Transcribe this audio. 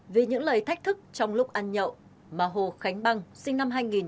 vì những lời thách thức trong lúc ăn nhậu mà hồ khánh băng sinh năm hai nghìn